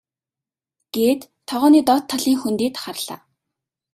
гээд тогооны доод талын хөндийд харлаа.